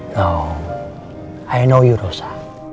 tidak aku tahu kamu rosa